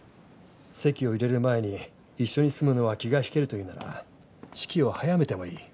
籍を入れる前に一緒に住むのは気が引けるというなら式を早めてもいい。